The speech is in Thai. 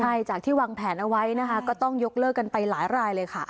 ใช่จากที่วางแผนเอาไว้นะคะก็ต้องยกเลิกกันไปหลายรายเลยค่ะ